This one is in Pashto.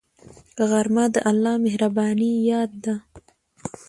غرمه د الله مهربانۍ یاد ده